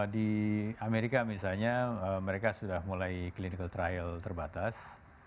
di amerika misalnya mereka sudah mulai clinical trial terbatas